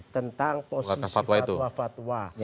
tentang posisi fatwa fatwa